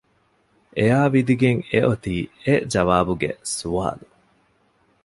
އެއާ ވިދިގެން އެ އޮތީ އެ ޖަވާބުގެ ސުވާލު